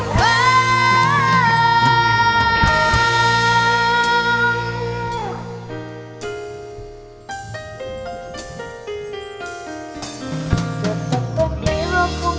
ต้องทิ้งทุกอย่าง